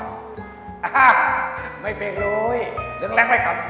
อ้าไม่เป็นเลยเรื่องแรกไม่ขำ